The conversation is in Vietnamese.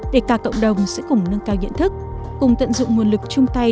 để cả cộng đồng sẽ cùng nâng cao nhận thức cùng tận dụng nguồn lực chung tay